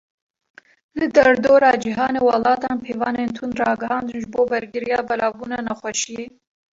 Li derûdora cîhanê, welatan pîvanên tund ragihandin ji bo bergiriya belavbûna nexweşiyê.